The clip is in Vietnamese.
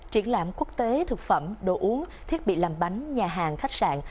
triển lãm quốc tế thực phẩm đồ uống thiết bị làm bánh nhà hàng khách sạn